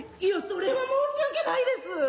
いやそれは申し訳ないです。